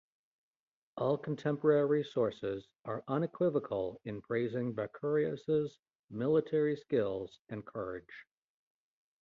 All contemporary sources are unequivocal in praising Bacurius's military skills and courage.